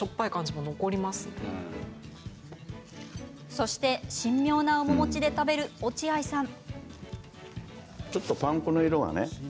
そして、神妙な面持ちで食べる落合さん。